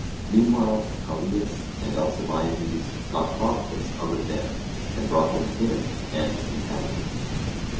Meanwhile Callias and Alcibiades got Prodicus out of bed and brought in him and his companions.